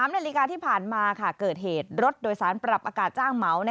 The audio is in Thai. นาฬิกาที่ผ่านมาเกิดเหตุรถโดยสารปรับอากาศจ้างเหมา